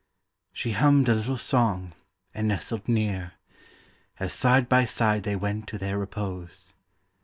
She hummed a little song and nestled near, As side by side they went to their repose.